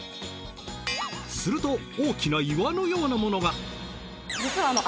すると大きな岩のようなものが。